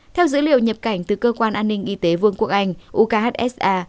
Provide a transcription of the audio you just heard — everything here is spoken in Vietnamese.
theo dữ liệu nhập cảnh từ cơ quan an ninh y tế vương quốc anh ukhsa